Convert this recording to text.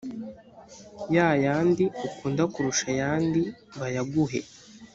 ya yandi ukunda kurusha ayandi bayaguhe